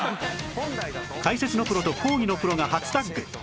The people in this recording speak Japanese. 解説のプロと講義のプロが初タッグ！